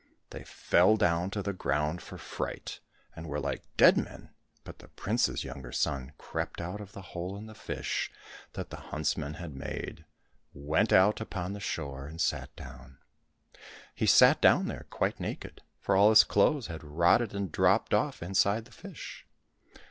" They fell down to the ground for fright, and were 268 IVAN GOLIK AND THE SERPENTS like dead men, but the prince's younger son crept out of the hole in the fish that the huntsmen had made, went out upon the shore, and sat down. He sat down there quite naked, for all his clothes had rotted and dropped off inside the fish.